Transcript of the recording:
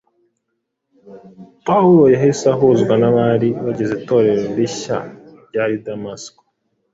Pawulo yahise ahuzwa n’abari bagize Itorero rishya ryari i Damasiko.